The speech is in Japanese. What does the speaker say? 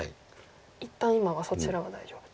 一旦今はそちらは大丈夫と。